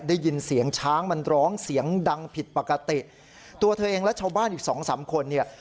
ได้ยินเสียงช้างมันร้องเสียงดังผิดปกติตัวเธอเองและชาวบ้านอีกสองสามคนเนี่ย